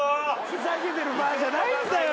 ふざけてる場合じゃないんだよ。